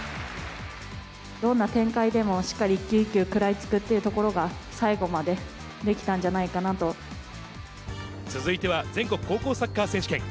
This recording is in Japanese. どんな展開でも、しっかり一球一球食らいつくっていうところが、最後までできたん続いては、全国高校サッカー選手権。